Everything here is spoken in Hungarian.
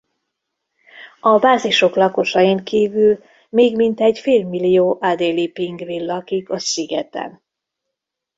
A bázisok lakosain kívül még mintegy félmillió Adélie-pingvin lakik a szigeten.